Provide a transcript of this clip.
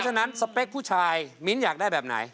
ฉะนั้นสเปคผู้ชายมิ้นอยากได้แบบไหน